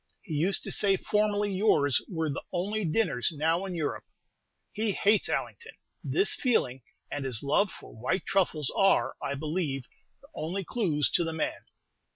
He used to say formerly yours were the only dinners now in Europe. He hates Allington. This feeling, and his love for white truffles, are, I believe, the only clews to the man.